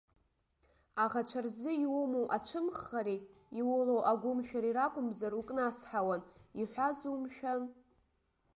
Аӷацәа рзы иумоу ацәымӷхареи иулоу агәымшәареи ракәымзар укнасҳауан, иҳәазу, мшәан?!